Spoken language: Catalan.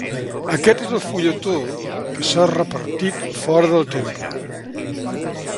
Aquest és el fulletó que s’ha repartit fora del temple.